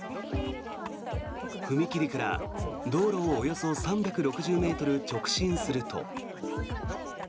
踏切から道路をおよそ３６０ｍ直進すると。